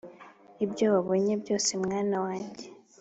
ibyo wabonye byose, mwana wamjye